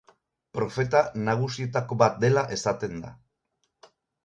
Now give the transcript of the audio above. Profeta nagusietako bat dela esaten da.